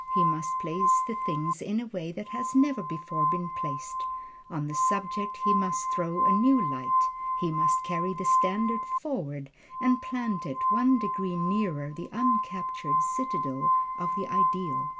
He must place the thing in a way it has never before been placed; on the subject he must throw a new light; he must carry the standard forward, and plant it one degree nearer the uncaptured citadel of the Ideal.